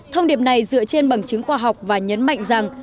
thông điệp này dựa trên bằng chứng khoa học và nhấn mạnh rằng